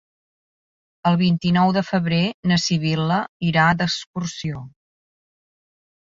El vint-i-nou de febrer na Sibil·la irà d'excursió.